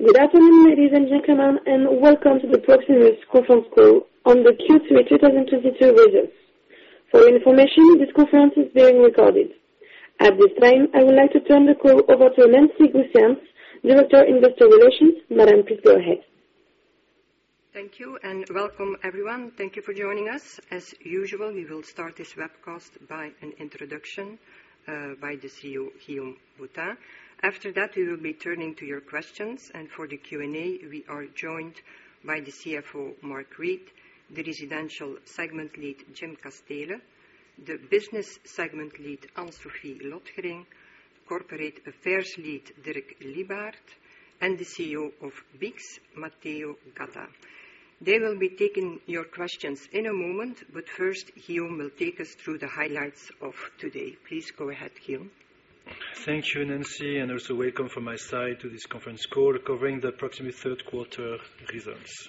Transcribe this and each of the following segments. Good afternoon, ladies and gentlemen, and welcome to the Proximus Conference Call on the Q3 2022 Results. For your information, this conference is being recorded. At this time, I would like to turn the call over to Nancy Goossens, Director, Investor Relations. Madam, please go ahead. Thank you and welcome, everyone. Thank you for joining us. As usual, we will start this webcast by an introduction by the CEO, Guillaume Boutin. After that, we will be turning to your questions. For the Q&A, we are joined by the CFO, Mark Reid, the Residential Segment Lead, Jim Casteele, the Business Segment Lead, Anne-Sophie Lotgering, Corporate Affairs Lead, Dirk Lybaert, and the CEO of BICS, Matteo Gatta. They will be taking your questions in a moment, but first, Guillaume will take us through the highlights of today. Please go ahead, Guillaume. Thank you, Nancy, and also welcome from my side to this conference call covering the Proximus third quarter results.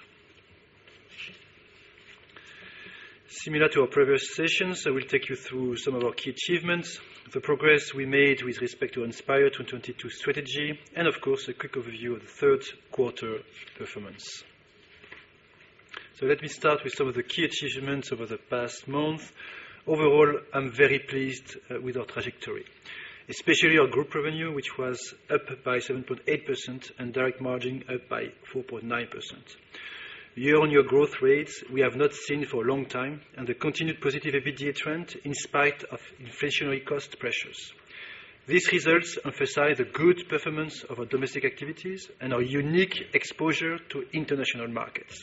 Similar to our previous sessions, I will take you through some of our key achievements, the progress we made with respect to Inspire 2022 strategy, and of course, a quick overview of the third quarter performance. Let me start with some of the key achievements over the past month. Overall, I'm very pleased with our trajectory, especially our group revenue, which was up by 7.8% and direct margin up by 4.9%. Year-on-year growth rates we have not seen for a long time and the continued positive EBITDA trend in spite of inflationary cost pressures. These results emphasize the good performance of our domestic activities and our unique exposure to international markets.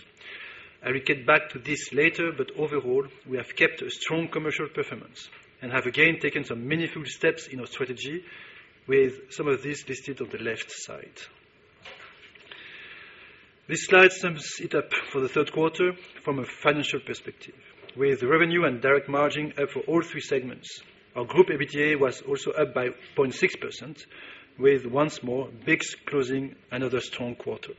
I will get back to this later, but overall, we have kept a strong commercial performance and have again taken some meaningful steps in our strategy with some of these listed on the left side. This slide sums it up for the third quarter from a financial perspective, with revenue and direct margin up for all three segments. Our group EBITDA was also up by 0.6%, with once more BICS closing another strong quarter.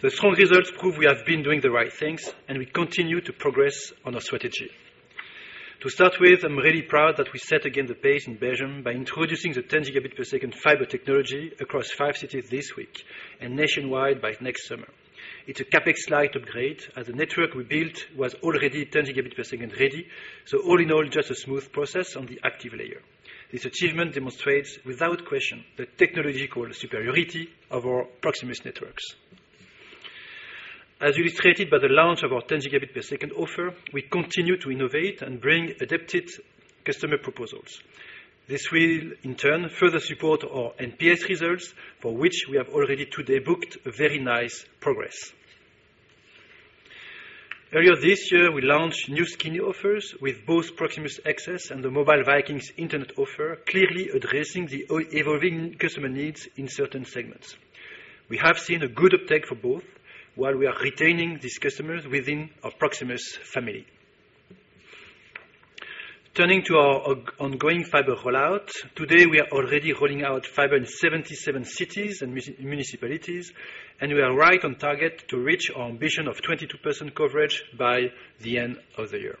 The strong results prove we have been doing the right things and we continue to progress on our strategy. To start with, I'm really proud that we set again the pace in Belgium by introducing the 10 Gbps fiber technology across five cities this week and nationwide by next summer. It's a CapEx slight upgrade as the network we built was already 10 Gbps ready. All in all, just a smooth process on the active layer. This achievement demonstrates without question the technological superiority of our Proximus networks. As illustrated by the launch of our 10 Gb per second offer, we continue to innovate and bring adapted customer proposals. This will in turn further support our NPS results for which we have already today booked a very nice progress. Earlier this year, we launched new skinny offers with both Proximus Access and the Mobile Vikings Internet offer, clearly addressing the evolving customer needs in certain segments. We have seen a good uptake for both while we are retaining these customers within our Proximus family. Turning to our ongoing fiber rollout, today we are already rolling out fiber in 77 cities and municipalities, and we are right on target to reach our ambition of 22% coverage by the end of the year.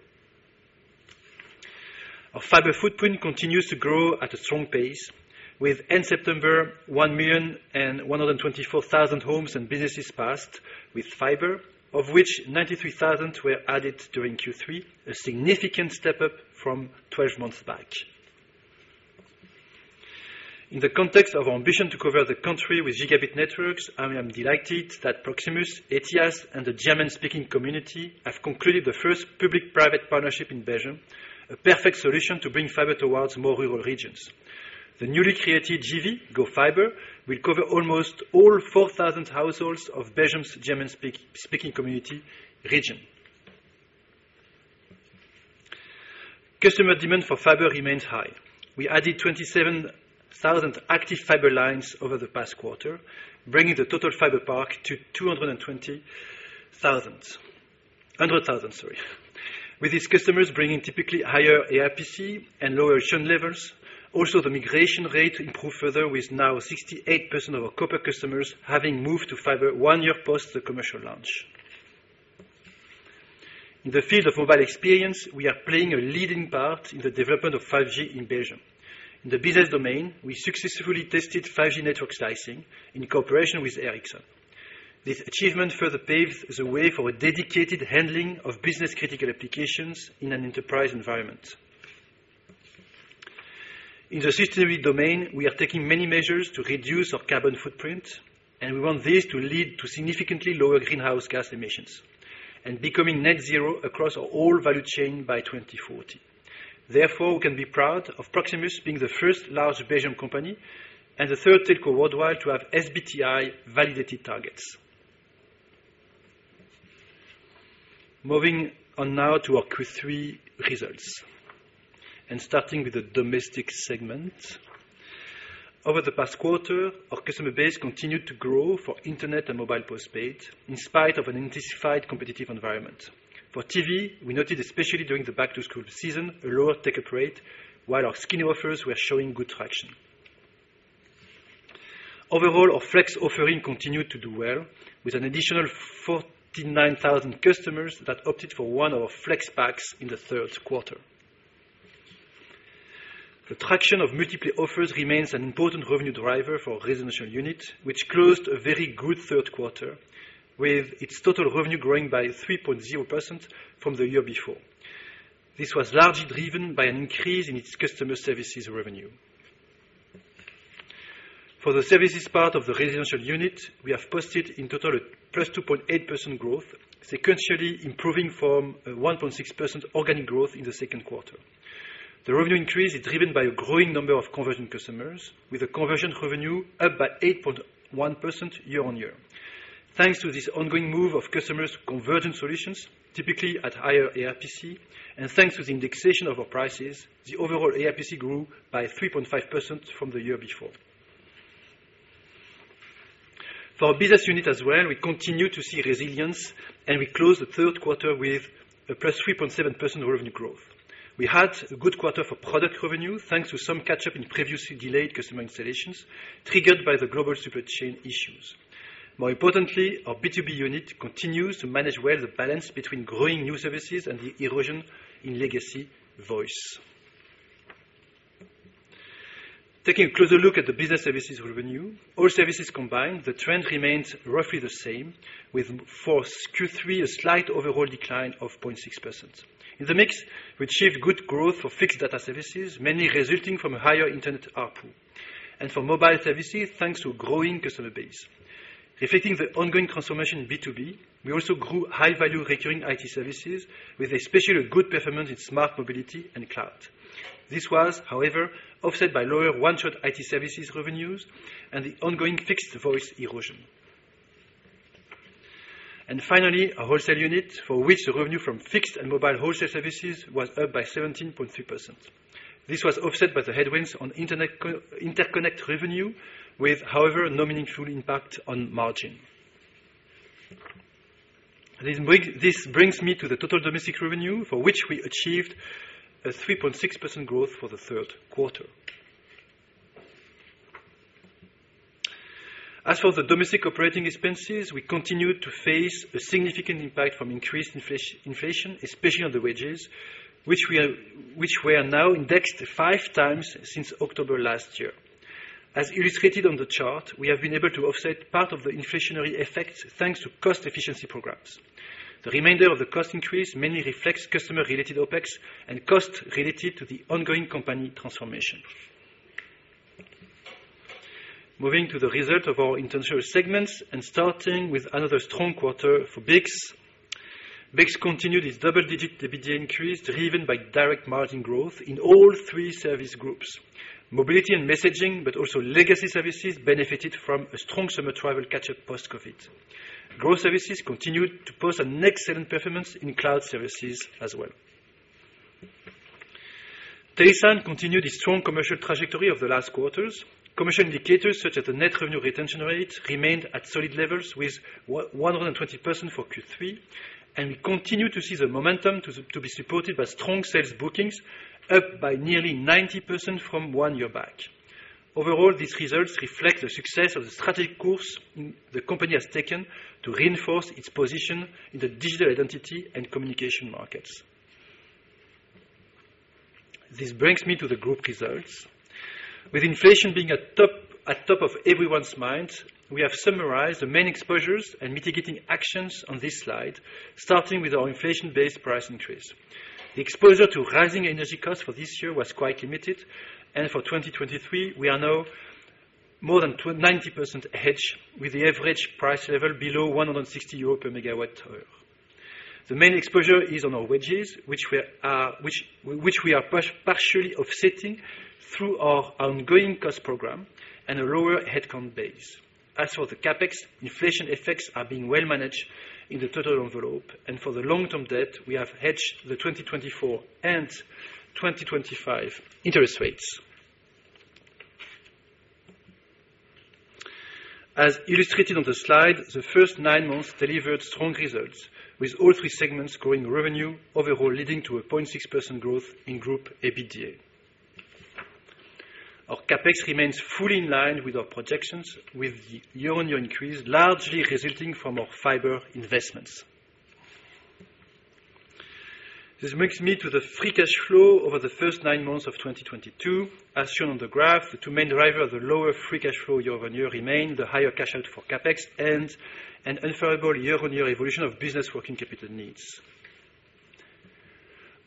Our fiber footprint continues to grow at a strong pace at end-September 1,124,000 homes and businesses passed with fiber, of which 93,000 were added during Q3, a significant step up from twelve-months back. In the context of our ambition to cover the country with gigabit networks, I am delighted that Proximus, Ethias, and the German-speaking Community of Belgium have concluded the first public-private partnership in Belgium, a perfect solution to bring fiber towards more rural regions. The newly created JV, GoFiber, will cover almost all 4,000 households of the German-speaking Community of Belgium. Customer demand for fiber remains high. We added 27,000 active fiber lines over the past quarter, bringing the total fiber park to 220,000. With these customers bringing typically higher ARPC and lower churn levels. Also, the migration rate improved further, with now 68% of our copper customers having moved to fiber one year post the commercial launch. In the field of mobile experience, we are playing a leading part in the development of 5G in Belgium. In the business domain, we successfully tested 5G network slicing in cooperation with Ericsson. This achievement further paves the way for a dedicated handling of business-critical applications in an enterprise environment. In the sustainability domain, we are taking many measures to reduce our carbon footprint, and we want this to lead to significantly lower greenhouse gas emissions and becoming net zero across our whole value chain by 2040. Therefore, we can be proud of Proximus being the first large Belgian company and the third telco worldwide to have SBTi validated targets. Moving on now to our Q3 results and starting with the Domestic segment. Over the past quarter, our customer base continued to grow for internet and mobile postpaid in spite of an intensified competitive environment. For TV, we noted, especially during the back-to-school season, a lower take-up rate while our skinny offers were showing good traction. Overall, our Flex offering continued to do well with an additional 49,000 customers that opted for one of our Flex packs in the third quarter. The traction of multiple offers remains an important revenue driver for residential unit, which closed a very good third quarter with its total revenue growing by 3.0% from the year before. This was largely driven by an increase in its customer services revenue. For the services part of the residential unit, we have posted in total a +2.8% growth, sequentially improving from a 1.6% organic growth in the second quarter. The revenue increase is driven by a growing number of conversion customers, with a conversion revenue up by 8.1% year-on-year. Thanks to this ongoing move of customers' conversion solutions, typically at higher ARPC, and thanks to the indexation of our prices, the overall ARPC grew by 3.5% from the year before. For our business unit as well, we continue to see resilience, and we closed the third quarter with a +3.7% revenue growth. We had a good quarter for product revenue, thanks to some catch-up in previously delayed customer installations triggered by the global supply chain issues. More importantly, our B2B unit continues to manage well the balance between growing new services and the erosion in legacy voice. Taking a closer look at the business services revenue, all services combined, the trend remains roughly the same, with, for Q3, a slight overall decline of 0.6%. In the mix, we achieved good growth for fixed data services, mainly resulting from a higher internet ARPU, and for mobile services, thanks to a growing customer base. Reflecting the ongoing transformation in B2B, we also grew high-value recurring IT services with especially a good performance in smart mobility and cloud. This was, however, offset by lower one-shot IT services revenues and the ongoing fixed voice erosion. Finally, our wholesale unit, for which the revenue from fixed and mobile wholesale services was up by 17.3%. This was offset by the headwinds on internet co-interconnect revenue with, however, no meaningful impact on margin. This brings me to the total domestic revenue, for which we achieved a 3.6% growth for the third quarter. As for the domestic operating expenses, we continued to face a significant impact from increased inflation, especially on the wages, which we are now indexed five times since October last year. As illustrated on the chart, we have been able to offset part of the inflationary effects thanks to cost efficiency programs. The remainder of the cost increase mainly reflects customer-related OpEx and cost related to the ongoing company transformation. Moving to the result of our international segments and starting with another strong quarter for BICS. BICS continued its double-digit EBITDA increase, driven by direct margin growth in all three service groups. Mobility and messaging, but also legacy services benefited from a strong summer travel catch-up post-COVID. Growth services continued to post an excellent performance in cloud services as well. TeleSign continued its strong commercial trajectory of the last quarters. Commercial indicators such as the net revenue retention rate remained at solid levels with 120% for Q3 and continue to see the momentum to be supported by strong sales bookings up by nearly 90% from one year back. Overall, these results reflect the success of the strategic course the company has taken to reinforce its position in the digital identity and communication markets. This brings me to the group results. With inflation being at top of everyone's minds, we have summarized the main exposures and mitigating actions on this slide, starting with our inflation-based price increase. The exposure to rising energy costs for this year was quite limited, and for 2023, we are now more than 90% hedged with the average price level below 160 euro per megawatt hour. The main exposure is on our wages, which we are partially offsetting through our ongoing cost program and a lower headcount base. As for the CapEx, inflation effects are being well managed in the total envelope, and for the long-term debt, we have hedged the 2024 and 2025 interest rates. As illustrated on the slide, the first nine months delivered strong results with all three segments growing revenue overall leading to a 0.6% growth in group EBITDA. Our CapEx remains fully in line with our projections with the year-on-year increase largely resulting from our fiber investments. This brings me to the free cash flow over the first nine months of 2022. As shown on the graph, the two main drivers of the lower free cash flow year-on-year remain the higher cash out for CapEx and an unfavorable year-on-year evolution of business working capital needs.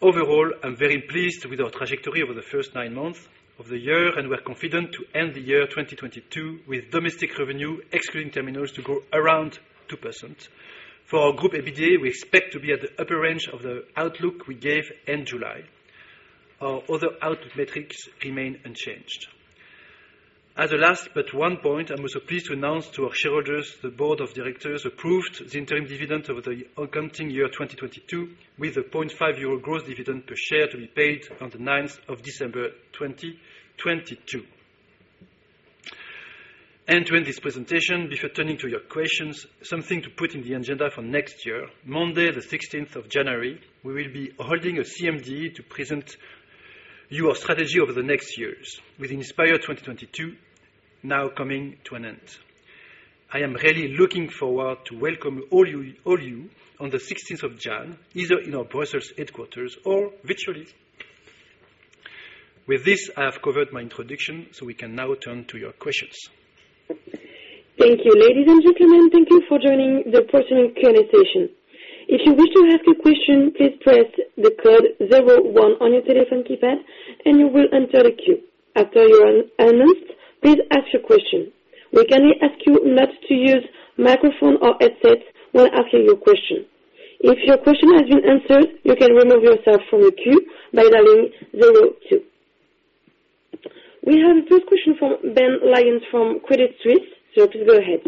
Overall, I'm very pleased with our trajectory over the first nine months of the year, and we're confident to end the year 2022 with domestic revenue excluding terminals to grow around 2%. For our group EBITDA, we expect to be at the upper range of the outlook we gave in July. Our other outlook metrics remain unchanged. As a last but one point, I'm also pleased to announce to our shareholders the board of directors approved the interim dividend over the accounting year 2022 with a 0.5 euro growth dividend per share to be paid on the 9th of December 2022. To end this presentation, before turning to your questions, something to put in the agenda for next year. Monday the 16th of January, we will be holding a CMD to present you our strategy over the next years with Inspire 2022 now coming to an end. I am really looking forward to welcome all you on the 16th of January, either in our Brussels headquarters or virtually. With this, I have covered my introduction, so we can now turn to your questions. Thank you. Ladies and gentlemen, thank you for joining the Proximus Q&A session. If you wish to ask a question, please press the code zero one on your telephone keypad, and you will enter the queue. After you are announced, please ask your question. We kindly ask you not to use microphone or headsets when asking your question. If your question has been answered, you can remove yourself from the queue by dialing zero two. We have the first question from Ben Lyons from Credit Suisse. Sir, please go ahead.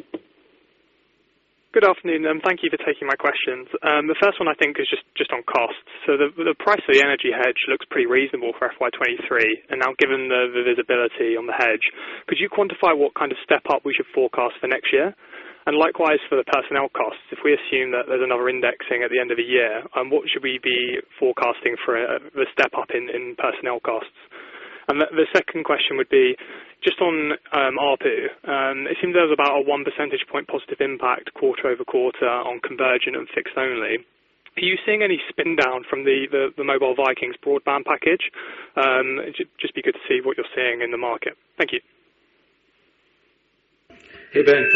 Good afternoon, and thank you for taking my questions. The first one I think is just on cost. The price of the energy hedge looks pretty reasonable for FY 2023. Now given the visibility on the hedge, could you quantify what kind of step up we should forecast for next year? Likewise, for the personnel costs, if we assume that there's another indexing at the end of the year, what should we be forecasting for the step up in personnel costs? The second question would be just on ARPU. It seems there's about a one percentage point positive impact quarter-over-quarter on conversion and fixed only. Are you seeing any downside from the Mobile Vikings broadband package? It just be good to see what you're seeing in the market. Thank you. Hey, Ben.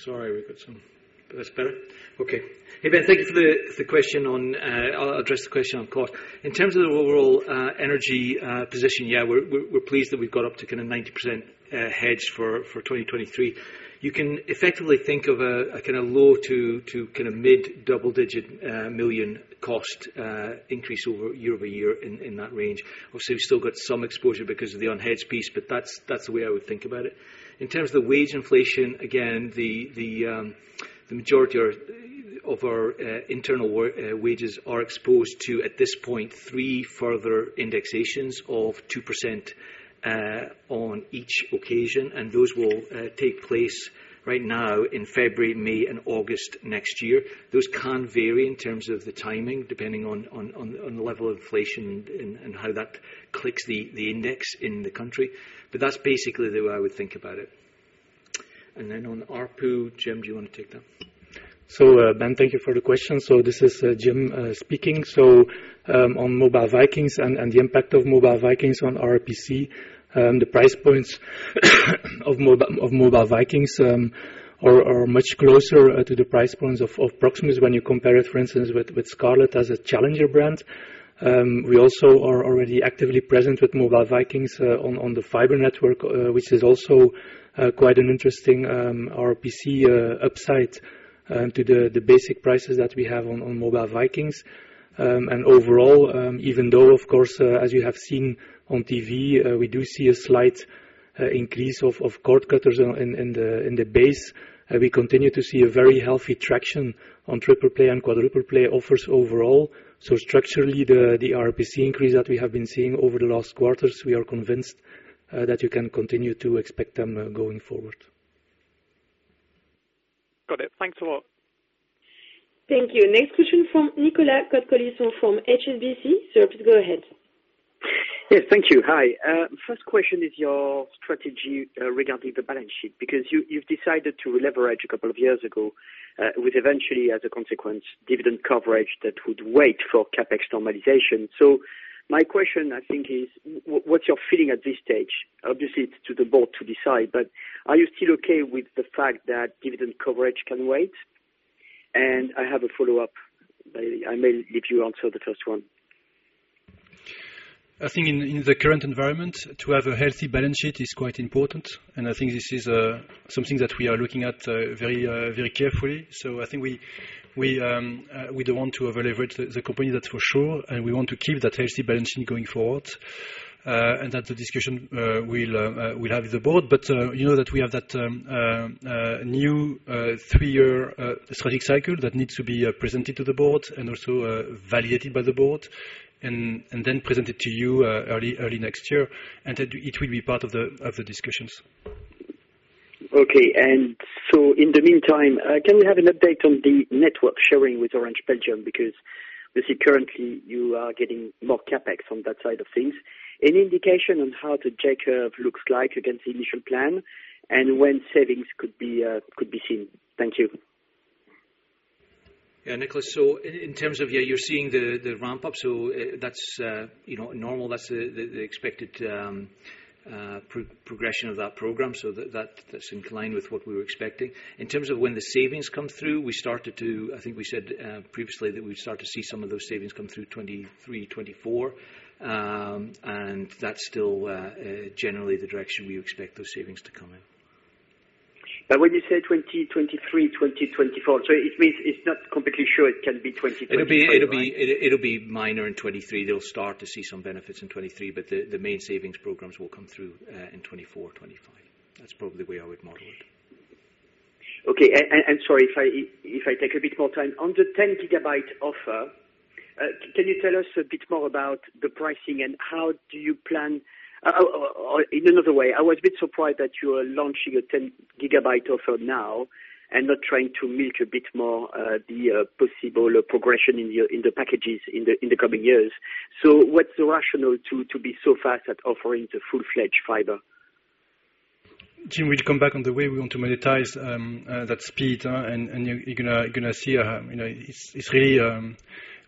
Sorry, we've got some. That's better. Okay. Hey, Ben, thank you for the question. I'll address the question on cost. In terms of the overall energy position, yeah, we're pleased that we've got up to kinda 90% hedged for 2023. You can effectively think of a kinda low- to kinda mid-double-digit million EUR cost increase year-over-year in that range. Obviously, we've still got some exposure because of the unhedged piece, but that's the way I would think about it. In terms of the wage inflation, again, the majority of our internal wages are exposed to, at this point, three further indexations of 2% on each occasion. Those will take place right now in February, May and August next year. Those can vary in terms of the timing, depending on the level of inflation and how that affects the index in the country. But that's basically the way I would think about it. On ARPU, Jim, do you wanna take that? Ben, thank you for the question. This is Jim speaking. On Mobile Vikings and the impact of Mobile Vikings on RPC, the price points of Mobile Vikings are much closer to the price points of Proximus when you compare it, for instance, with Scarlet as a challenger brand. We also are already actively present with Mobile Vikings on the fiber network, which is also quite an interesting RPC upside to the basic prices that we have on Mobile Vikings. Overall, even though, of course, as you have seen on TV, we do see a slight increase of cord cutters in the base. We continue to see a very healthy traction on triple play and quadruple play offers overall. Structurally, the RPC increase that we have been seeing over the last quarters, we are convinced that you can continue to expect them going forward. Got it. Thanks a lot. Thank you. Next question from Nicolas Cote-Colisson from HSBC. Sir, please go ahead. Yes, thank you. Hi. First question is your strategy regarding the balance sheet, because you've decided to leverage a couple of years ago, with eventually, as a consequence, dividend coverage that would wait for CapEx normalization. My question, I think, is what's your feeling at this stage? Obviously, it's to the board to decide, but are you still okay with the fact that dividend coverage can wait? I have a follow-up. I may let you answer the first one. I think in the current environment, to have a healthy balance sheet is quite important, and I think this is something that we are looking at very carefully. I think we don't want to over leverage the company, that's for sure, and we want to keep that healthy balance sheet going forward, and that's a discussion we'll have with the board. You know that we have that new three-year strategic cycle that needs to be presented to the board and also validated by the board and then presented to you early next year. That it will be part of the discussions. In the meantime, can we have an update on the network sharing with Orange Belgium? Because we see currently you are getting more CapEx on that side of things. Any indication on how the J curve looks like against the initial plan, and when savings could be seen? Thank you. Yeah, Nicolas. In terms of, yeah, you're seeing the ramp up, so that's, you know, normal. That's the expected progression of that program. That's in line with what we were expecting. In terms of when the savings come through, we started to, I think we said previously that we'd start to see some of those savings come through 2023, 2024. That's still generally the direction we expect those savings to come in. When you say 2023, 2024, so it means it's not completely sure it can be 2023, right? It'll be minor in 2023. They'll start to see some benefits in 2023, but the main savings programs will come through in 2024, 2025. That's probably the way I would model it. Okay. Sorry if I take a bit more time. On the 10 Gb offer, or in another way, I was a bit surprised that you are launching a 10 Gb offer now and not trying to make a bit more the possible progression in your packages in the coming years. What's the rationale to be so fast at offering the full-fledged fiber? Jim, we'll come back on the way we want to monetize that speed, and you're gonna see, you know, it's really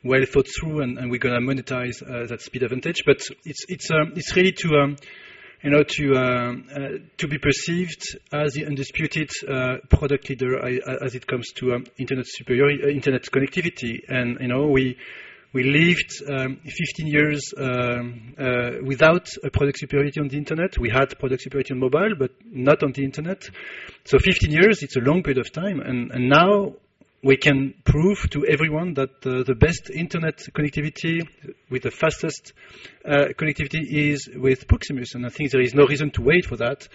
well thought through and we're gonna monetize that speed advantage. But it's really to, you know, to be perceived as the undisputed product leader as it comes to internet connectivity. You know, we lived 15 years without a product superiority on the internet. We had product superiority on mobile, but not on the internet. 15 years, it's a long period of time. Now we can prove to everyone that the best internet connectivity with the fastest connectivity is with Proximus. I think there is no reason to wait for that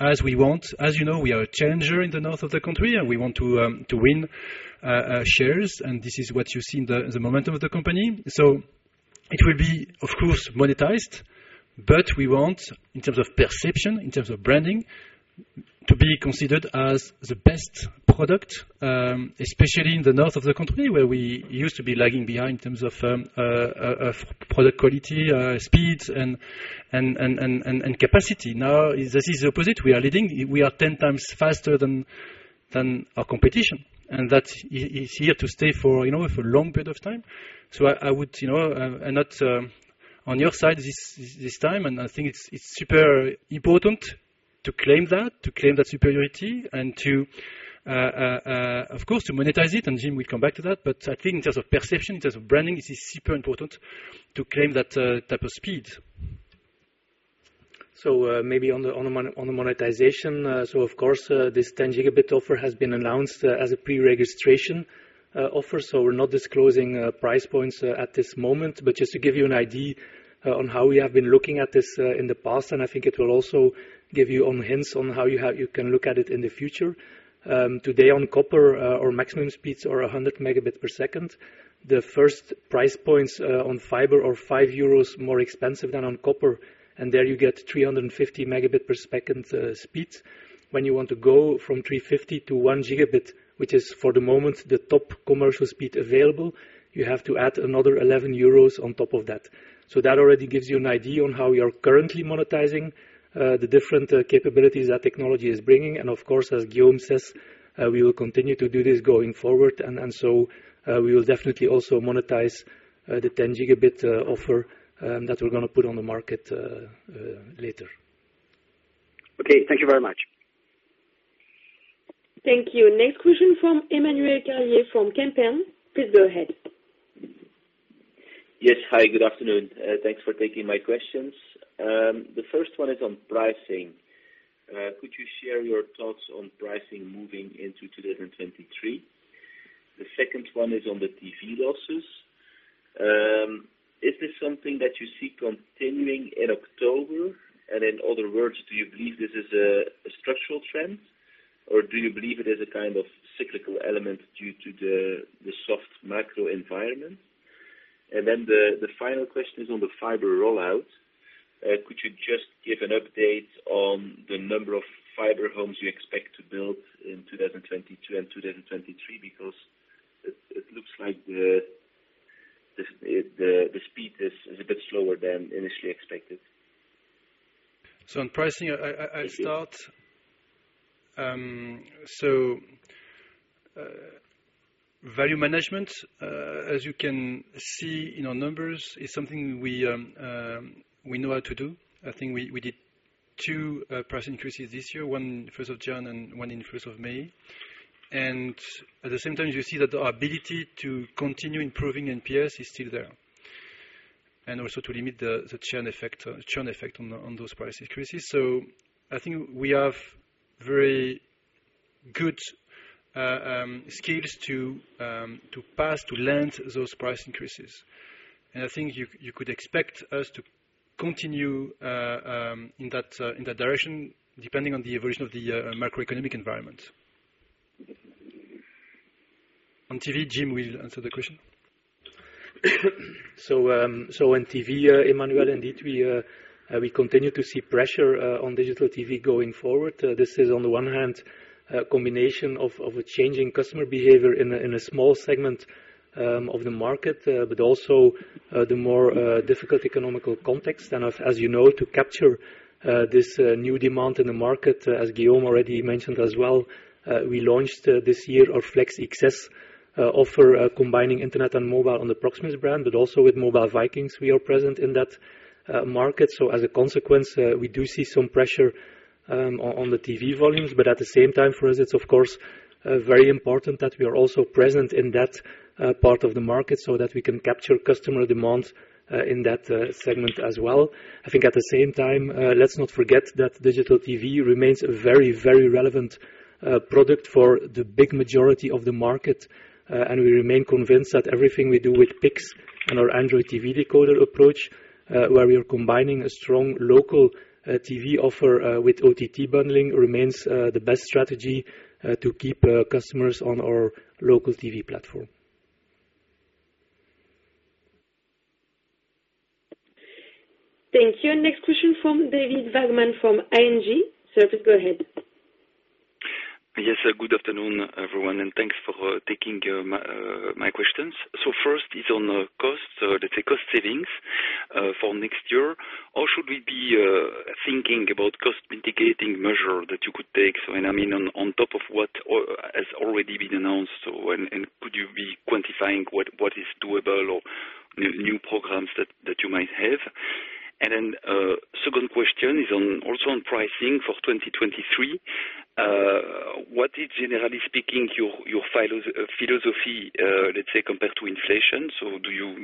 as we want. As you know, we are a challenger in the north of the country, and we want to win shares. This is what you see in the momentum of the company. It will be, of course, monetized, but we want, in terms of perception, in terms of branding, to be considered as the best product, especially in the north of the country, where we used to be lagging behind in terms of product quality, speeds and capacity. Now, this is the opposite. We are leading. We are 10 times faster than our competition, and that is here to stay for, you know, for a long period of time. I would, you know, and that's on your side this time, and I think it's super important to claim that superiority and of course to monetize it. Jim will come back to that. I think in terms of perception, in terms of branding, this is super important to claim that type of speed. Maybe on the monetization. Of course, this 10 Gb offer has been announced as a pre-registration offer. We're not disclosing price points at this moment. Just to give you an idea on how we have been looking at this in the past, and I think it will also give you some hints on how you can look at it in the future. Today on copper, our maximum speeds are 100 Mbps. The first price points on fiber are 5 euros more expensive than on copper. There you get 350 Mbps speeds. When you want to go from 350 to 1 Gb, which is for the moment, the top commercial speed available, you have to add another 11 euros on top of that. That already gives you an idea on how we are currently monetizing the different capabilities that technology is bringing. Of course, as Guillaume says, we will continue to do this going forward. We will definitely also monetize the 10 Gb offer that we're gonna put on the market later. Okay, thank you very much. Thank you. Next question from Emmanuel Carlier from Kempen. Please go ahead. Yes. Hi, good afternoon. Thanks for taking my questions. The first one is on pricing. Could you share your thoughts on pricing moving into 2023? The second one is on the TV losses. Is this something that you see continuing in October? In other words, do you believe this is a structural trend, or do you believe it is a kind of cyclical element due to the soft macro environment? Then the final question is on the fiber rollout. Could you just give an update on the number of fiber homes you expect to build in 2022 and 2023? Because it looks like the speed is a bit slower than initially expected. On pricing, I'll start. Value management, as you can see in our numbers, is something we know how to do. I think we did two price increase this year, one first of January and one in first of May. At the same time, you see that our ability to continue improving NPS is still there, and also to limit the churn effect on those price increases. I think we have very good skills to pass on those price increases. I think you could expect us to continue in that direction, depending on the evolution of the macroeconomic environment. On TV, Jim will answer the question. On TV, Emmanuel, indeed, we continue to see pressure on digital TV going forward. This is on the one hand a combination of a changing customer behavior in a small segment of the market, but also the more difficult economic context. As you know, to capture this new demand in the market, as Guillaume already mentioned as well, we launched this year our Flex offer combining internet and mobile on the Proximus brand, but also with Mobile Vikings, we are present in that market. As a consequence, we do see some pressure on the TV volumes. At the same time, for us, it's of course very important that we are also present in that part of the market so that we can capture customer demand in that segment as well. I think at the same time, let's not forget that digital TV remains a very, very relevant product for the big majority of the market. We remain convinced that everything we do with Pickx and our Android TV decoder approach, where we are combining a strong local TV offer with OTT bundling, remains the best strategy to keep customers on our local TV platform. Thank you. Next question from David Vagman from ING. Sir, please go ahead. Yes, good afternoon everyone, and thanks for taking my questions. First is on the costs, let's say cost savings, for next year. Or should we be thinking about cost mitigating measure that you could take, and I mean on top of what has already been announced, and could you be quantifying what is doable or new programs that you might have? Then, second question is on also on pricing for 2023. What is, generally speaking, your philosophy, let's say compared to inflation? Do you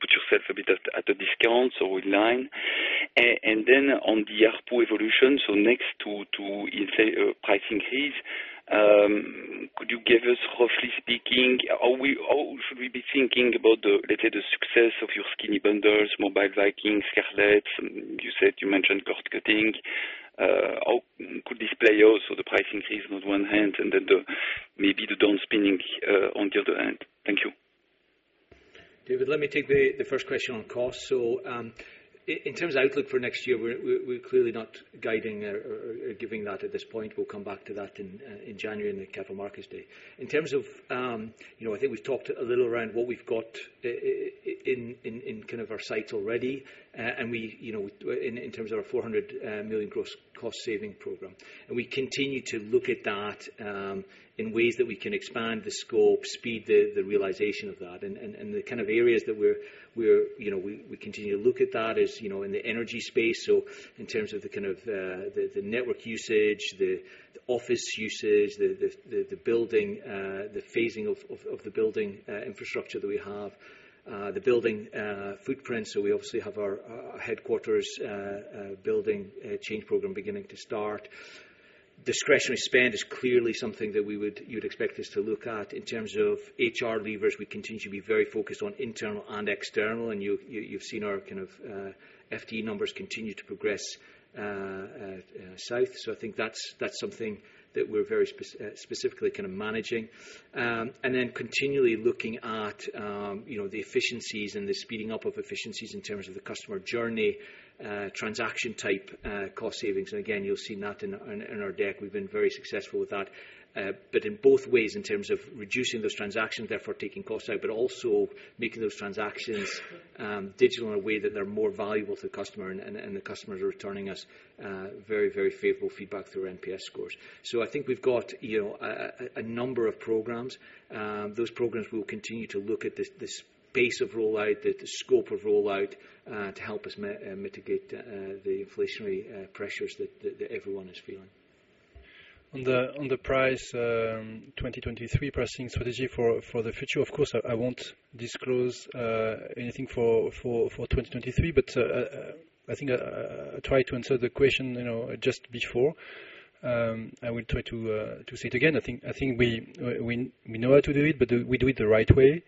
put yourself a bit at a discount or in line? On the ARPU evolution, next to inflation, price increase, could you give us roughly speaking how should we be thinking about the, let's say, the success of your skinny bundles, Mobile Vikings, Scarlet, and you said you mentioned cost cutting. How could this play also the price increase on one hand, and then the, maybe the downselling on the other hand? Thank you. David, let me take the first question on cost. In terms of outlook for next year, we're clearly not guiding or giving that at this point. We'll come back to that in January in the Capital Markets Day. In terms of, you know, I think we've talked a little around what we've got in kind of our sights already. We, you know, in terms of our 400 million gross cost saving program. We continue to look at that in ways that we can expand the scope, speed the realization of that. The kind of areas that we're you know we continue to look at that is you know in the energy space so in terms of the kind of the network usage the office usage the the building the phasing of the building infrastructure that we have. The building footprint so we obviously have our headquarters building change program beginning to start. Discretionary spend is clearly something that we would you'd expect us to look at. In terms of HR levers we continue to be very focused on internal and external and you've seen our kind of FTE numbers continue to progress south. I think that's something that we're very specifically kind of managing. Continually looking at, you know, the efficiencies and the speeding up of efficiencies in terms of the customer journey, transaction type, cost savings. Again, you'll see that in our deck. We've been very successful with that. In both ways, in terms of reducing those transactions, therefore taking costs out, but also making those transactions digital in a way that they're more valuable to the customer and the customers are returning us very favorable feedback through our NPS scores. I think we've got, you know, a number of programs. Those programs will continue to look at this pace of rollout, the scope of rollout, to help us mitigate the inflationary pressures that everyone is feeling. On the pricing strategy for 2023, for the future, of course I won't disclose anything for 2023, but I think I try to answer the question, you know, just before. I will try to say it again. I think we know how to do it, but we do it the right way,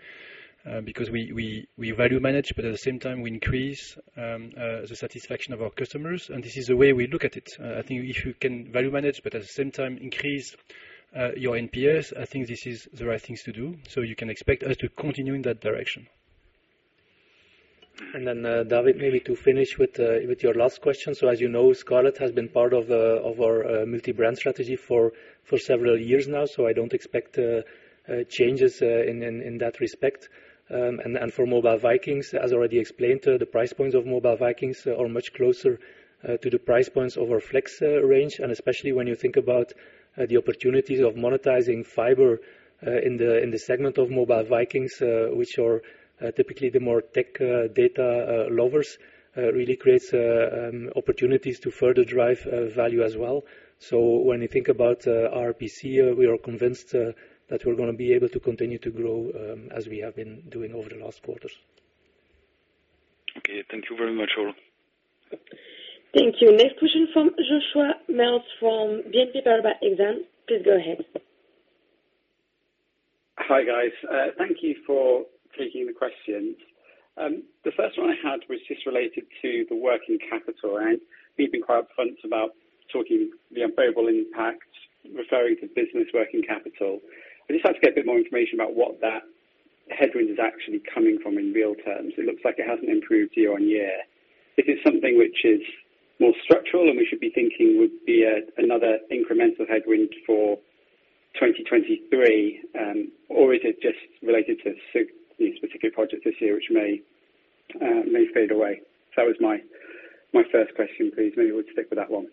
because we value manage, but at the same time we increase the satisfaction of our customers, and this is the way we look at it. I think if you can value manage, but at the same time increase your NPS, I think this is the right things to do. You can expect us to continue in that direction. And that maybe to finish with your last question. As you know, Scarlet has been part of our multi-brand strategy for several years now, so I don't expect changes in that respect. And for Mobile Vikings, as already explained, the price points of Mobile Vikings are much closer to the price points of our Flex range. Especially when you think about the opportunities of monetizing fiber in the segment of Mobile Vikings, which are typically the more tech data lovers really creates opportunities to further drive value as well. When you think about RPC, we are convinced that we're gonna be able to continue to grow as we have been doing over the last quarters. Okay. Thank you very much, all. Thank you. Next question from Joshua Mills from BNP Paribas Exane. Please go ahead. Hi guys. Thank you for taking the questions. The first one I had was just related to the working capital, and we've been quite upfront about talking the unfavorable impacts, referring to business working capital. I just have to get a bit more information about what that headwind is actually coming from in real terms. It looks like it hasn't improved year-over-year. This is something which is more structural, and we should be thinking would be another incremental headwind for 2023. Or is it just related to specific projects this year which may fade away? So that was my first question, please. Maybe we'll stick with that one.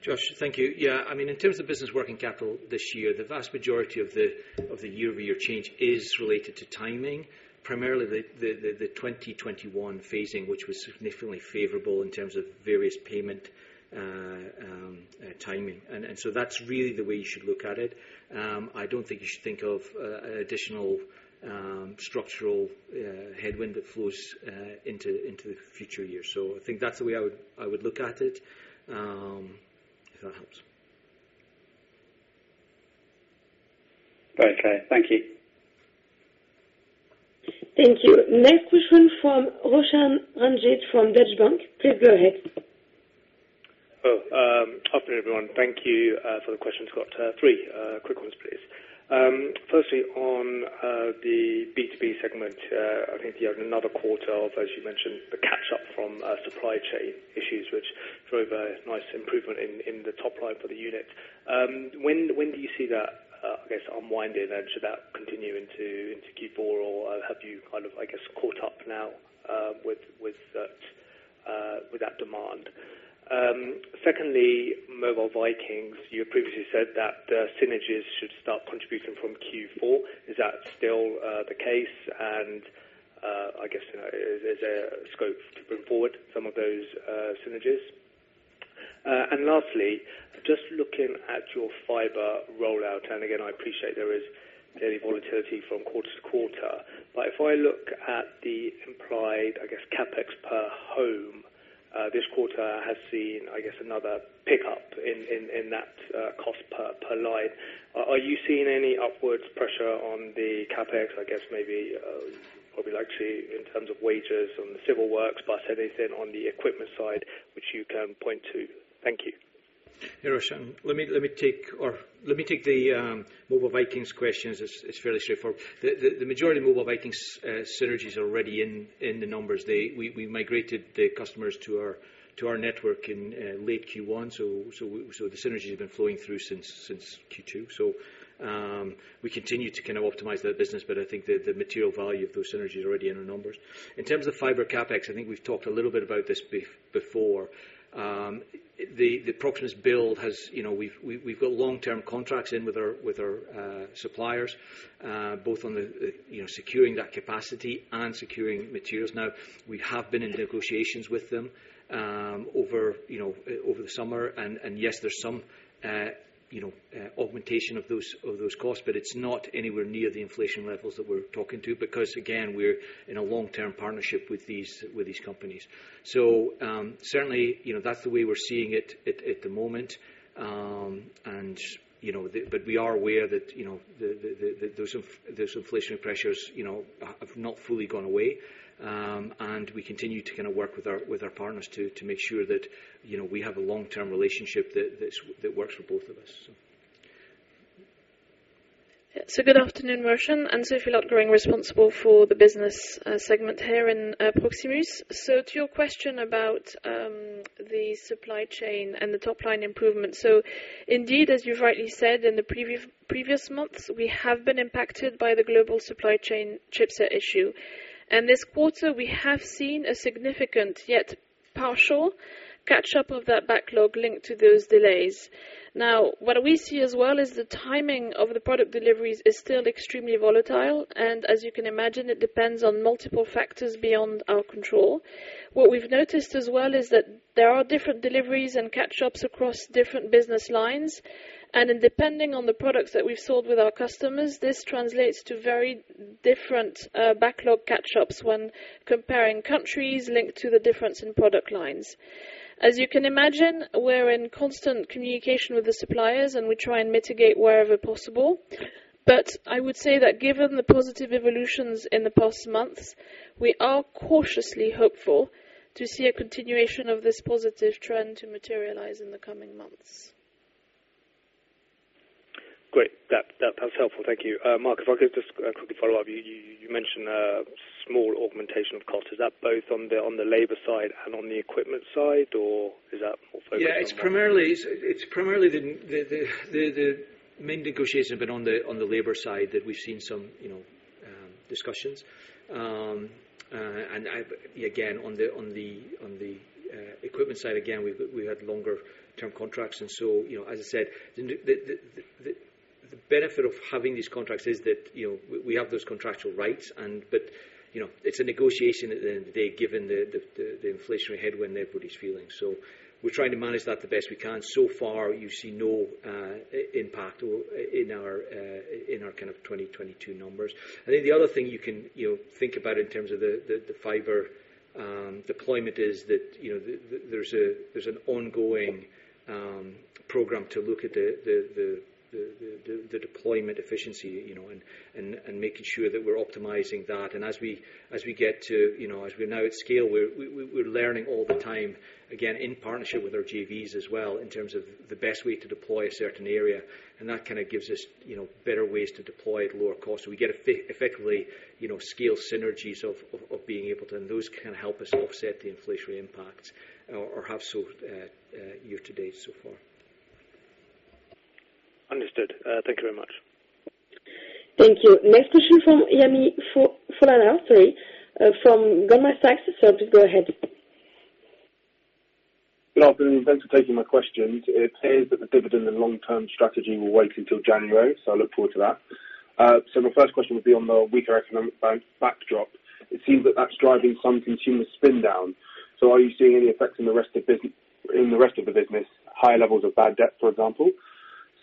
Josh, thank you. Yeah, I mean, in terms of business working capital this year, the vast majority of the year-over-year change is related to timing. Primarily the 2021 phasing, which was significantly favorable in terms of various payment timing. That's really the way you should look at it. I don't think you should think of additional structural headwind that flows into the future years. I think that's the way I would look at it, if that helps. Okay. Thank you. Thank you. Next question from Roshan Ranjit from Deutsche Bank. Please go ahead. Afternoon everyone. Thank you for the questions. Got three quick ones. Firstly on the B2B segment, I think you have another quarter of, as you mentioned, the catch up from supply chain issues which drove a nice improvement in the top line for the unit. When do you see that, I guess, unwinding, and should that continue into Q4 or have you kind of, I guess, caught up now with that demand? Secondly, Mobile Vikings, you previously said that the synergies should start contributing from Q4. Is that still the case and, I guess, you know, is there a scope to bring forward some of those synergies? Lastly, just looking at your fiber rollout, and again, I appreciate there is daily volatility from quarter-to-quarter. If I look at the implied, I guess, CapEx per home, this quarter has seen, I guess, another pickup in that cost per line. Are you seeing any upwards pressure on the CapEx, I guess maybe, probably likely in terms of wages on the civil works, but anything on the equipment side which you can point to? Thank you. Yeah, Roshan, let me take the Mobile Vikings questions. It's fairly straightforward. The majority of Mobile Vikings synergies are already in the numbers. We migrated the customers to our network in late Q1. So the synergies have been flowing through since Q2. We continue to kind of optimize that business, but I think the material value of those synergies are already in our numbers. In terms of fiber CapEx, I think we've talked a little bit about this before. The Proximus build has, you know, we've got long-term contracts in with our suppliers, both on the, you know, securing that capacity and securing materials. Now, we have been in negotiations with them over the summer and yes, there's some you know augmentation of those costs, but it's not anywhere near the inflation levels that we're talking about. Because again, we're in a long-term partnership with these companies. Certainly, you know, that's the way we're seeing it at the moment. We are aware that you know those inflationary pressures you know have not fully gone away. We continue to kinda work with our partners to make sure that you know we have a long-term relationship that works for both of us. Yeah. Good afternoon, Roshan. Anne-Sophie Lotgering, responsible for the business segment here in Proximus. To your question about the supply chain and the top line improvement. Indeed, as you've rightly said, in the previous months, we have been impacted by the global supply chain chipset issue. This quarter we have seen a significant, yet partial catch-up of that backlog linked to those delays. Now, what we see as well is the timing of the product deliveries is still extremely volatile, and as you can imagine, it depends on multiple factors beyond our control. What we've noticed as well is that there are different deliveries and catch-ups across different business lines. Depending on the products that we've sold with our customers, this translates to very different backlog catch-ups when comparing countries linked to the difference in product lines. As you can imagine, we're in constant communication with the suppliers, and we try and mitigate wherever possible. I would say that given the positive evolutions in the past months, we are cautiously hopeful to see a continuation of this positive trend to materialize in the coming months. Great. That's helpful. Thank you. Mark, if I could just quickly follow up. You mentioned a small augmentation of cost. Is that both on the labor side and on the equipment side, or is that more focused on one? Yeah. It's primarily the main negotiation had been on the labor side that we've seen some, you know, discussions. Again, on the equipment side, again, we've had longer term contracts and so, you know, as I said, the benefit of having these contracts is that, you know, we have those contractual rights and but, you know, it's a negotiation at the end of the day given the inflationary headwind everybody's feeling. We're trying to manage that the best we can. So far, you've seen no impact or in our kind of 2022 numbers. I think the other thing you can, you know, think about in terms of the fiber deployment is that, you know, there's an ongoing program to look at the deployment efficiency, you know, and making sure that we're optimizing that. As we get to, you know, as we're now at scale, we're learning all the time, again, in partnership with our JVs as well, in terms of the best way to deploy a certain area. That kinda gives us, you know, better ways to deploy at lower cost. We get effectively, you know, scale synergies of being able to. Those can help us offset the inflationary impacts or have so year to date so far. Understood. Thank you very much. Thank you. Next question from Yemi Falana. Sorry. From Goldman Sachs. Just go ahead. Good afternoon. Thanks for taking my questions. It appears that the dividend and long-term strategy will wait until January, so I look forward to that. My first question would be on the weaker economic back-backdrop. It seems that that's driving some consumer spend down. Are you seeing any effects in the rest of the business, high levels of bad debt, for example?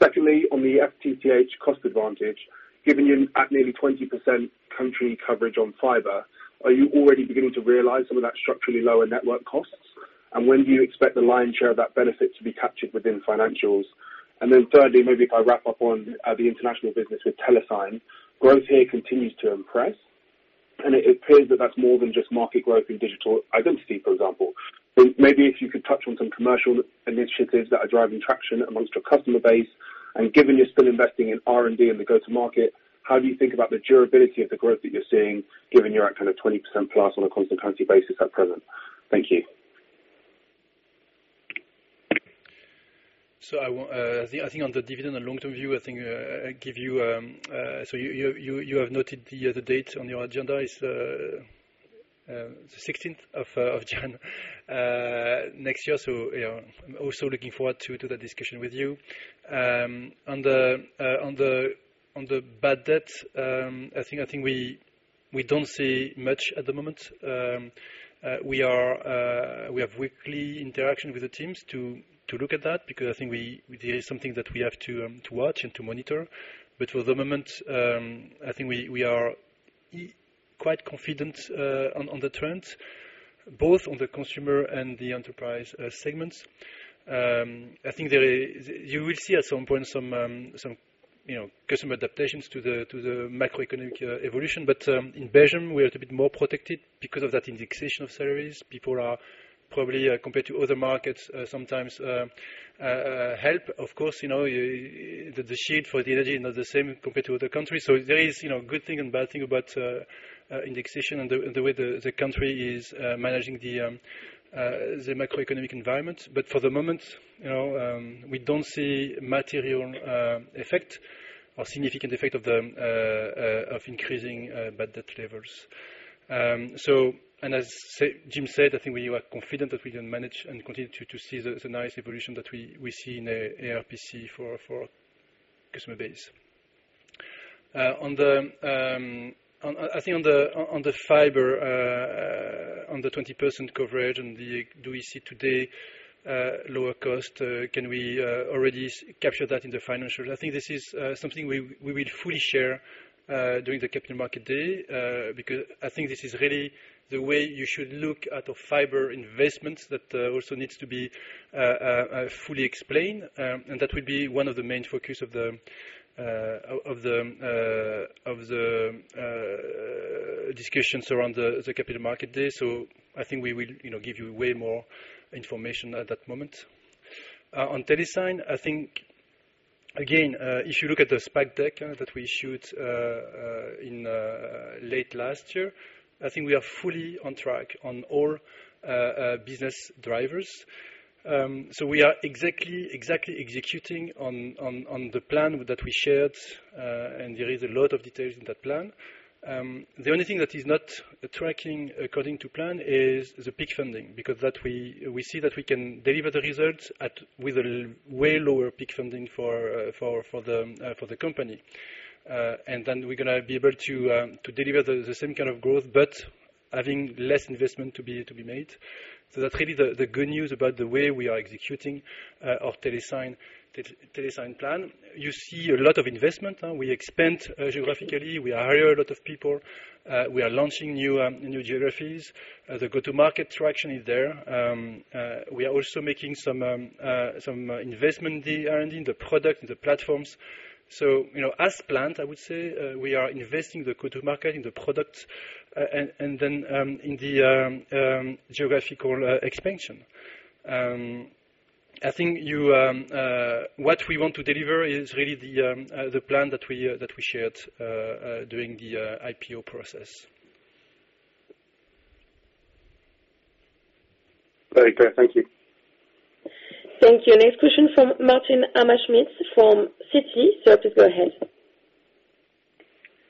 Secondly, on the FTTH cost advantage, given you're at nearly 20% country coverage on fiber, are you already beginning to realize some of that structurally lower network costs? And when do you expect the lion's share of that benefit to be captured within financials? And then thirdly, maybe if I wrap up on the international business with TeleSign, growth here continues to impress. It appears that that's more than just market growth in digital identity, for example. Maybe if you could touch on some commercial initiatives that are driving traction among your customer base, and given you're still investing in R&D and the go-to market, how do you think about the durability of the growth that you're seeing, given you're at kind of 20%+ on a constant currency basis at present? Thank you. I think on the dividend and long-term view, I think I give you have noted the date on your agenda is the 16th of January next year. You know, I'm also looking forward to that discussion with you. On the bad debt, I think we don't see much at the moment. We have weekly interaction with the teams to look at that because I think it is something that we have to watch and to monitor. For the moment, I think we are quite confident on the trends, both on the consumer and the enterprise segments. I think there is You will see at some point some, you know, customer adaptations to the macroeconomic evolution. In Belgium, we are a bit more protected because of that indexation of salaries. People are probably compared to other markets sometimes helped. Of course, you know, the shield for the energy is not the same compared to other countries. There is, you know, good thing and bad thing about indexation and the way the country is managing the macroeconomic environment. For the moment, you know, we don't see material effect or significant effect of increasing bad debt levels. As Jim said, I think we are confident that we can manage and continue to see the nice evolution that we see in ARPC for customer base. On the fiber, on the 20% coverage and the low we see today, lower cost, can we already capture that in the financials? I think this is something we will fully share during the capital market day. Because I think this is really the way you should look at a fiber investment that also needs to be fully explained. That will be one of the main focus of the discussions around the capital market day. I think we will, you know, give you way more information at that moment. On TeleSign, I think, again, if you look at the SPAC deck that we issued in late last year, I think we are fully on track on all business drivers. We are exactly executing on the plan that we shared, and there is a lot of details in that plan. The only thing that is not tracking according to plan is the peak funding, because we see that we can deliver the results at with a way lower peak funding for the company. Then we're gonna be able to deliver the same kind of growth, but having less investment to be made. That's really the good news about the way we are executing our TeleSign plan. You see a lot of investment. We expand geographically. We hire a lot of people. We are launching new geographies. The go-to-market traction is there. We are also making some investment in the R&D, the product, the platforms. You know, as planned, I would say, we are investing in the go-to-market, in the product, and then in the geographical expansion. I think what we want to deliver is really the plan that we shared during the IPO process. Very clear. Thank you. Thank you. Next question from Martin Hammerschmidt from Citi. Sir, please go ahead.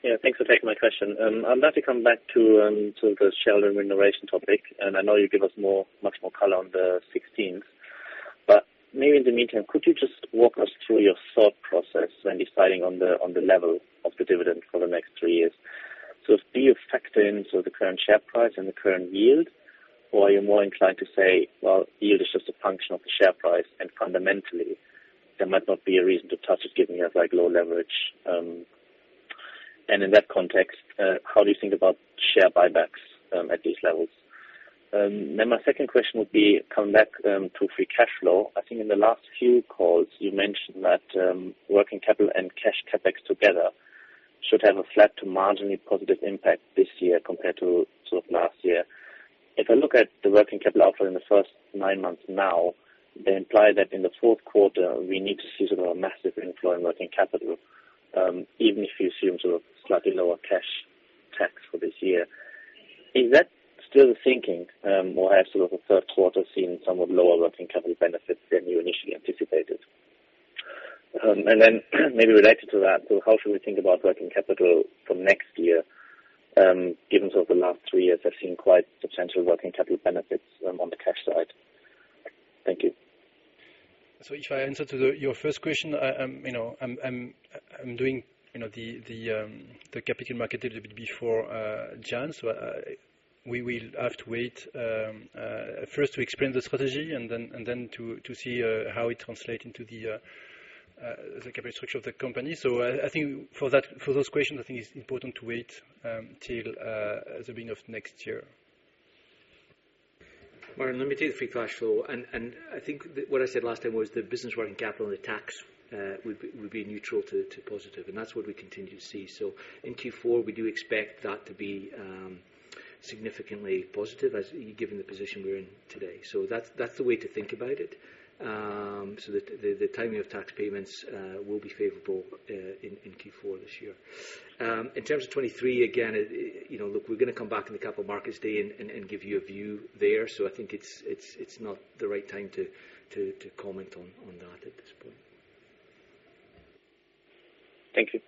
Yeah, thanks for taking my question. I'd like to come back to the shareholder remuneration topic. I know you give us more, much more color on the sixteenth. Maybe in the meantime, could you just walk us through your thought process when deciding on the level of the dividend for the next three years? Do you factor in, sort of, the current share price and the current yield? Or are you more inclined to say, well, yield is just a function of the share price, and fundamentally there might not be a reason to touch it given you have, like, low leverage. In that context, how do you think about share buybacks at these levels? My second question would be coming back to free cash flow. I think in the last few calls you mentioned that, working capital and cash CapEx together should have a flat to marginally positive impact this year compared to, sort of, last year. If I look at the working capital outflow in the first nine months now, they imply that in the fourth quarter we need to see sort of a massive inflow in working capital, even if you assume sort of slightly lower cash taxes for this year. Is that still the thinking, or has sort of the third quarter seen somewhat lower working capital benefits than you initially anticipated? Maybe related to that, how should we think about working capital for next year, given sort of the last three years have seen quite substantial working capital benefits, on the cash side? Thank you. If I answer to your first question, you know, I'm doing you know the capital market a little bit before January. We will have to wait first to explain the strategy and then to see how it translate into the capital structure of the company. I think for that, for those questions, I think it's important to wait till the beginning of next year. Martin, let me take the free cash flow. I think that what I said last time was the business working capital and the tax would be neutral to positive. That's what we continue to see. In Q4, we do expect that to be significantly positive as given the position we're in today. That's the way to think about it. The timing of tax payments will be favorable in Q4 this year. In terms of 2023, again, it you know look we're gonna come back in the capital markets day and give you a view there. I think it's not the right time to comment on that at this point. Thank you.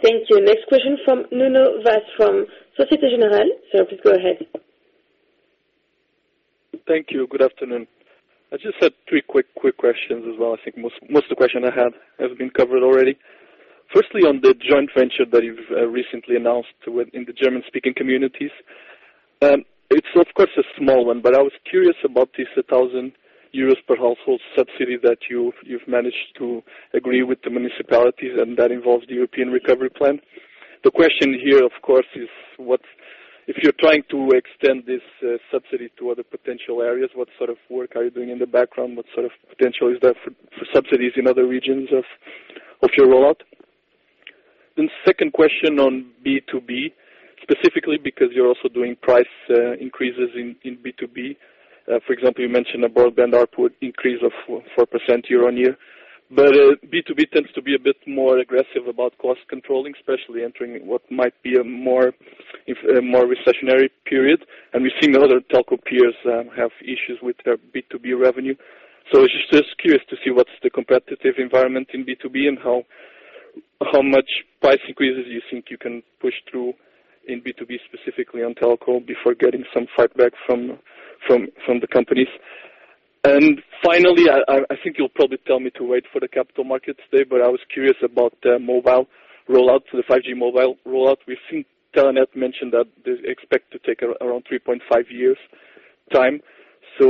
Thank you. Next question from Nuno Vaz from Société Générale. Sir, please go ahead. Thank you. Good afternoon. I just have three quick questions as well. I think most of the question I have has been covered already. Firstly, on the joint venture that you've recently announced with in the German-speaking community. It's of course a small one, but I was curious about this 1,000 euros per household subsidy that you've managed to agree with the municipalities and that involves the European Recovery Program. The question here, of course, is if you're trying to extend this subsidy to other potential areas, what sort of work are you doing in the background? What sort of potential is there for subsidies in other regions of your rollout? Second question on B2B, specifically because you're also doing price increases in B2B. For example, you mentioned a broadband ARPU increase of 4% year-on-year. B2B tends to be a bit more aggressive about cost controlling, especially entering what might be a more recessionary period. We've seen other telco peers have issues with their B2B revenue. Just curious to see what's the competitive environment in B2B and how much price increases you think you can push through in B2B, specifically on telco, before getting some fightback from the companies. Finally, I think you'll probably tell me to wait for the Capital Markets Day, but I was curious about the mobile rollout, the 5G mobile rollout. We've seen Telenet mention that they expect to take around three point five years time. I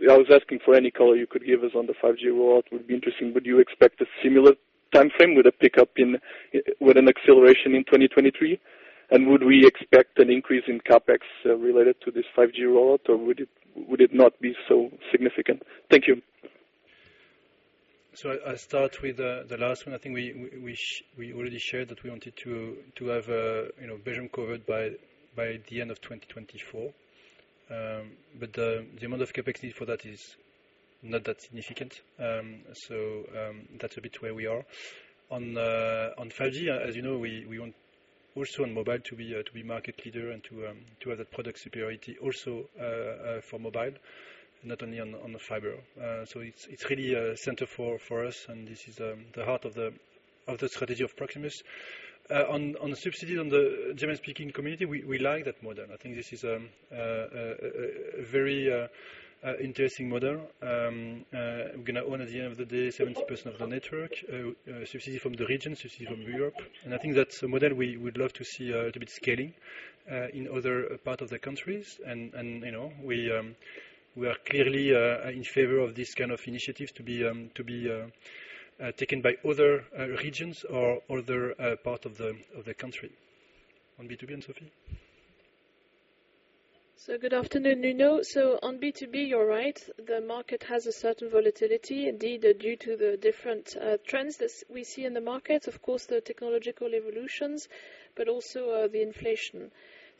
was asking for any color you could give us on the 5G rollout, would be interesting. Would you expect a similar timeframe with an acceleration in 2023? Would we expect an increase in CapEx related to this 5G rollout, or would it not be so significant? Thank you. I'll start with the last one. I think we already shared that we wanted to have you know Belgium covered by the end of 2024. But the amount of CapEx needed for that is not that significant. That's about where we are. On 5G, as you know, we want also on mobile to be market leader and to have that product superiority also for mobile, not only on the fiber. It's really a center for us, and this is the heart of the strategy of Proximus. On the subsidies on the German-speaking community, we like that model. I think this is a very interesting model. We're gonna own at the end of the day 70% of the network, subsidy from the region, subsidy from Europe. I think that's a model we would love to see a little bit scaling in other part of the countries. You know, we are clearly in favor of this kind of initiatives to be taken by other regions or other part of the country. On B2B, Anne-Sophie? Good afternoon, Nuno. On B2B, you're right. The market has a certain volatility indeed due to the different trends that we see in the market, of course, the technological evolutions, but also the inflation.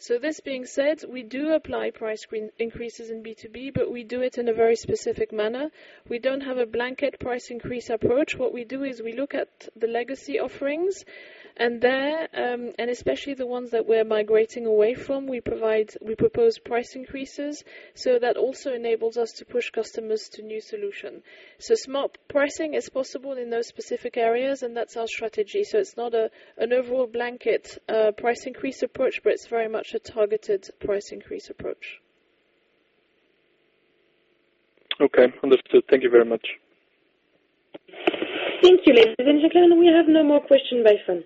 This being said, we do apply price increases in B2B, but we do it in a very specific manner. We don't have a blanket price increase approach. What we do is we look at the legacy offerings, and there, and especially the ones that we're migrating away from, we propose price increases. That also enables us to push customers to new solution. Smart pricing is possible in those specific areas, and that's our strategy. It's not an overall blanket price increase approach, but it's very much a targeted price increase approach. Okay. Understood. Thank you very much. Thank you, ladies and gentlemen. We have no more question by phone.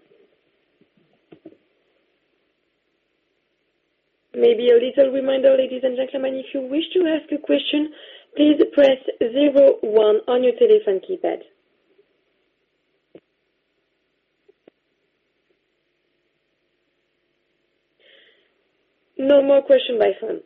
Maybe a little reminder, ladies and gentlemen, if you wish to ask a question, please press zero one on your telephone keypad. No more question by phone.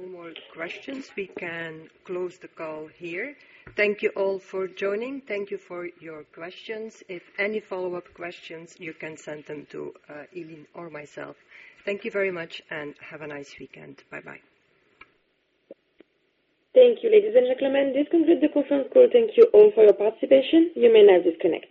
If there are no more questions, we can close the call here. Thank you all for joining. Thank you for your questions. If any follow-up questions, you can send them to Eileen or myself. Thank you very much and have a nice weekend. Bye-bye. Thank you, ladies and gentlemen. This concludes the conference call. Thank you all for your participation. You may now disconnect.